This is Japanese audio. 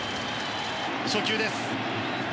初球です。